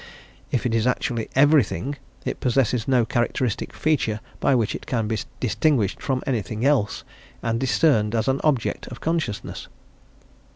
If it is actually everything, it possesses no characteristic feature by which it can be distinguished from anything else and discerned as an object of consciousness."